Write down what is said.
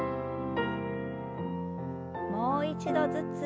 もう一度ずつ。